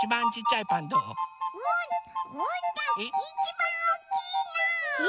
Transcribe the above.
いちばんおっきいの！え！